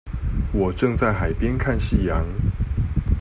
我正在海邊看夕陽